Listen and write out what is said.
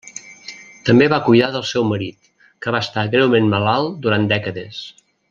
També va cuidar del seu marit, que va estar greument malalt durant dècades.